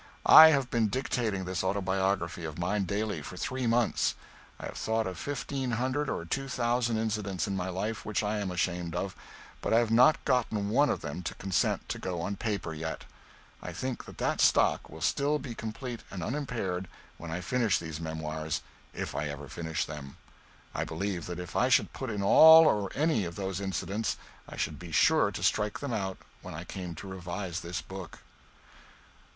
I have been dictating this autobiography of mine daily for three months; I have thought of fifteen hundred or two thousand incidents in my life which I am ashamed of, but I have not gotten one of them to consent to go on paper yet. I think that that stock will still be complete and unimpaired when I finish these memoirs, if I ever finish them. I believe that if I should put in all or any of those incidents I should be sure to strike them out when I came to revise this book.